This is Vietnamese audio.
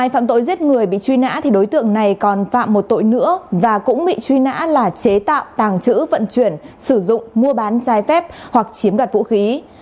phạm tội giết người bị truy nã đối tượng này còn phạm một tội nữa và cũng bị truy nã là chế tạo tàng trữ vận chuyển sử dụng mua bán trái phép hoặc chiếm đoạt vũ khí